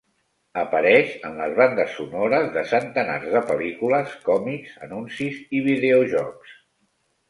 Apareix en les bandes sonores de centenars de pel·lícules, còmics, anuncis i videojocs.